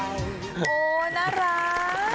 โอ้น่ารัก